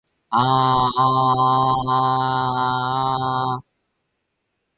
aaaaaaaaaaaaaaaaaaaaaaaaaaaaaaaaaaa